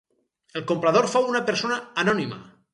El comprador fou una persona anònima.